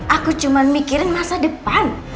aku cuma mikirin masa depan